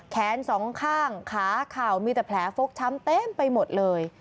แขนสองข้างขาเข่ามีแต่แผลฟกช้ำเต็มไปหมดเลย